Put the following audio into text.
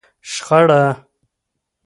شخړه